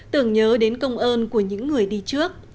tưởng nhớ đến công ơn của những người đi trước